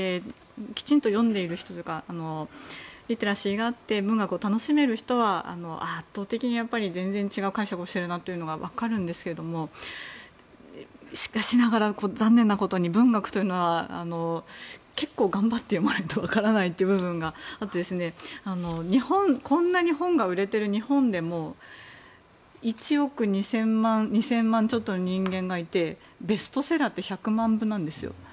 きちんと読んでいる人とかリテラシーがあってきちんと文学を楽しめる人は圧倒的に全然違う解釈をしていると分かるんですが残念なことに文学は結構頑張って読まないと分からない部分があってこんなに本が売れている日本でも１億２０００万ちょっとの人間がいてベストセラーって１００万部なんですよ。